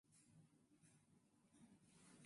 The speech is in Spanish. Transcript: Durante su juventud, fue un entusiasta del teatro.